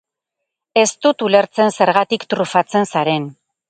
Ez dut ulertzen zergatik trufatzen zaren.